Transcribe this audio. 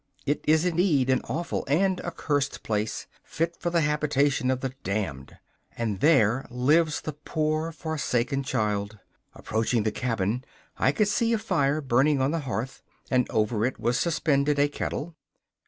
It is indeed an awful and accursed place, fit for the habitation of the damned. And there lives the poor forsaken child! Approaching the cabin, I could see a fire burning on the hearth, and over it was suspended a kettle.